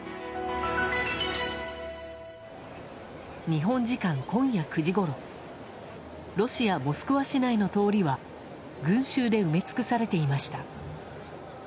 日本時間今夜９時ごろロシア・モスクワ市内の通りは群衆で埋め尽くされていました。